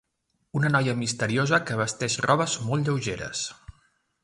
Una noia misteriosa, que vesteix robes molt lleugeres.